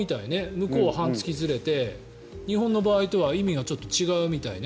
向こうは半月ずれて日本の場合とは意味がちょっと違うみたいね。